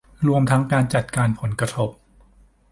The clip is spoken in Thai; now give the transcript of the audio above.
รวมทั้งการจัดการผลกระทบ